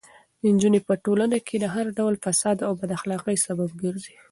نجونې په ټولنه کې د هر ډول فساد او بد اخلاقۍ سبب ګرځي.